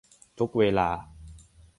ทุกเวลา